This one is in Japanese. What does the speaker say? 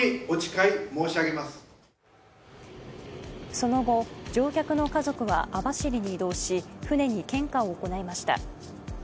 その後、乗客の家族は網走に移動し船に献花を行いました。